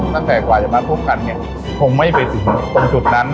ตั้งแต่กว่าจะมาพบกันเนี่ยคงไม่ไปถึงตรงจุดนั้น